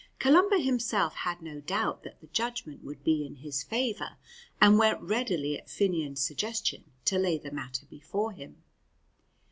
Columba himself had no doubt that the judgment would be in his favour, and went readily at Finnian's suggestion to lay the matter before him.